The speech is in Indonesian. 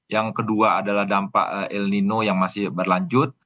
yang kedua adalah dampak el nino yang masih berlanjut